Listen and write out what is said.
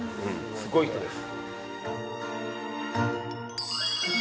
すごい人です。